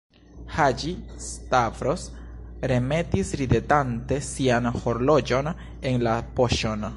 Haĝi-Stavros remetis ridetante sian horloĝon en la poŝon.